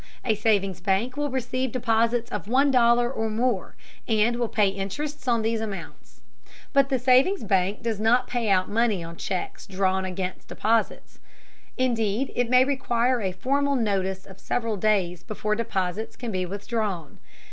A savings bank will receive deposits of one dollar or more, and will pay interest on these amounts. But the savings bank does not pay out money on checks drawn against deposits. Indeed, it may require a formal notice of several days before deposits can be withdrawn.